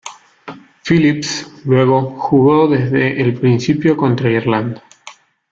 Phillips luego jugó desde el principio contra Irlanda.